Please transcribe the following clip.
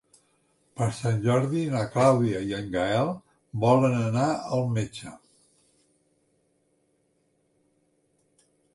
Per Sant Jordi na Clàudia i en Gaël volen anar al metge.